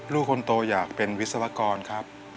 ลูกคนโตอยากเป็นวิศวกรครับ